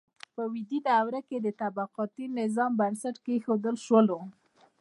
په ویدي دوره کې د طبقاتي نظام بنسټ کیښودل شو.